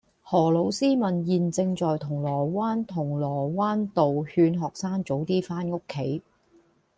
何老師問現正在銅鑼灣銅鑼灣道勸學生早啲返屋企